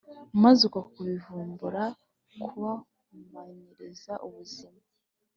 maze uko kubivumbura kubahumanyiriza ubuzima.